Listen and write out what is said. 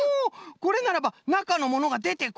これならばなかのものがでてこない！